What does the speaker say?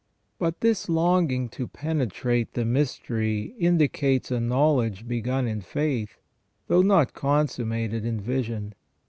But this longing to penetrate the mystery indicates a knowledge begun in faith, though not consummated in vision.